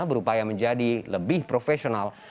berupaya menjadi lebih profesional